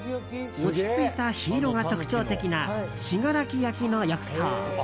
落ち着いた緋色が特徴的な信楽焼の浴槽。